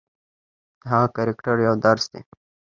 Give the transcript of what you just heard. د هغه کرکټر یو درس دی.